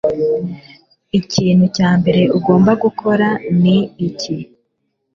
ikintu cya mbere ugomba gukora ni iki